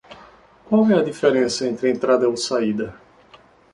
Qual é a diferença entre entrada ou saída?